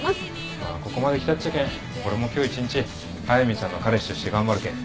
まあここまで来たっちゃけん俺も今日一日速見さんの彼氏として頑張るけん。